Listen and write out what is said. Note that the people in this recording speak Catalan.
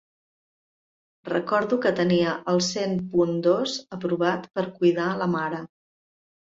Recordo que tenia el cent punt dos aprovat per cuidar la mare.